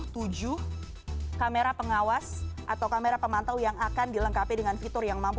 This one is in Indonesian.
tujuh kamera pengawas atau kamera pemantau yang akan dilengkapi dengan fitur yang mampu